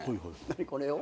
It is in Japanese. これを？